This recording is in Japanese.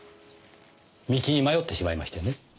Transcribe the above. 道に迷ってしまいましてね。